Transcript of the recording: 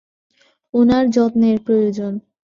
উনার যত্নের প্রয়োজন।